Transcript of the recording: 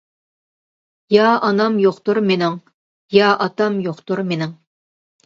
يا ئانام يوقتۇر مېنىڭ، يا ئاتام يوقتۇر مېنىڭ.